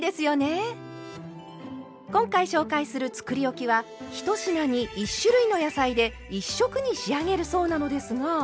今回紹介するつくりおきは１品に１種類の野菜で１色に仕上げるそうなのですが。